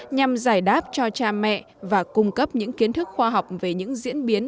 nhằm giải đáp cho cha mẹ và cung cấp những kiến thức khoa học về những diễn biến